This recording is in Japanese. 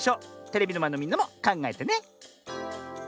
テレビのまえのみんなもかんがえてね。